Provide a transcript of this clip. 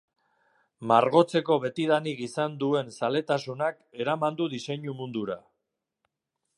Margotzeko betidanik izan duen zaletasunak eraman du diseinu mundura.